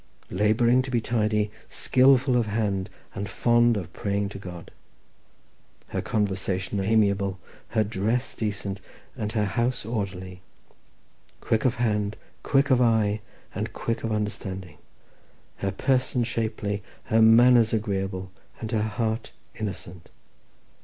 "Labouring to be tidy, skilful of hand, and fond of praying to God. "Her conversation amiable, her dress decent, and her house orderly. "Quick of hand, quick of eye, and quick of understanding. "Her person shapely, her manners agreeable, and her heart innocent.